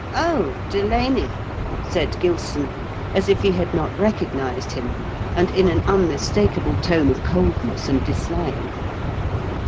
" Oh, Delaney !" said Gilson, as if he had not recognised him, and in an unmistakable tone of coldness and dislike.